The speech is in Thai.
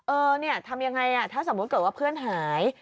เออเนี่ยทำยังไงถ้าสมมุติเกิดว่าเพื่อนหาย